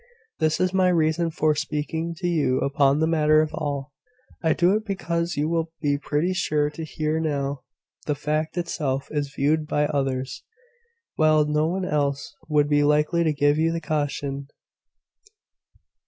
This is my reason for speaking to you upon the matter at all. I do it because you will be pretty sure to hear how the fact itself is viewed by others, while no one else would be likely to give you the caution.